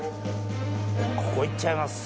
ここ行っちゃいます。